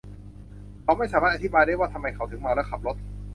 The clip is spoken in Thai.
เขาไม่สามารถอธิบายได้ว่าทำไมเขาถึงเมาและขับรถ